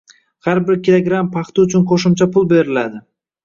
Har bir kilogramm paxta uchun qoʻshimcha pul beriladi.